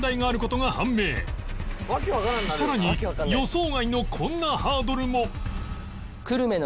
さらに予想外のこんなハードルも